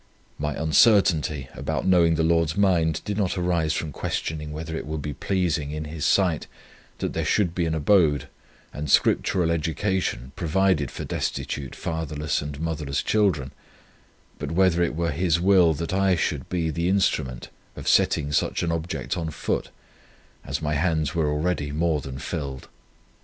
My uncertainty about knowing the Lord's mind did not arise from questioning whether it would be pleasing in His sight, that there should be an abode and Scriptural education provided for destitute fatherless and motherless children; but whether it were His will that I should be the instrument of setting such an object on foot, as my hands were already more than filled.